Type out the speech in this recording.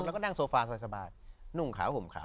แล้วก็นั่งโซฟาสบายสบายนุ่มขาวผมขาว